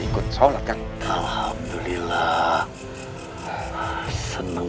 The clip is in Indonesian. ia loh kang